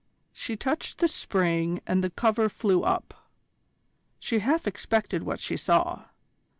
She touched the spring and the cover flew up. She half expected what she saw.